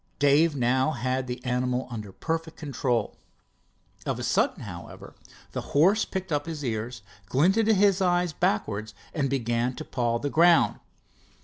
Dave now had the animal under perfect control. Of a sudden, however, the horse pricked up his ears, glinted its eyes backwards, and began to paw the ground.